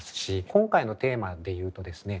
今回のテーマで言うとですね